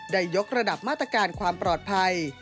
ยกระดับมาตรการความปลอดภัย